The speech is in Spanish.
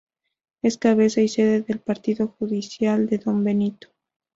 Es cabeza y sede del Partido judicial de Don Benito.